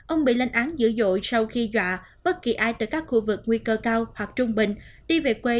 ông bị lên án dữ dội sau khi dọa bất kỳ ai từ các khu vực nguy cơ cao hoặc trung bình đi về quê